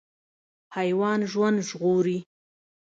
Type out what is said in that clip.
حیوان ژوند ژغوري.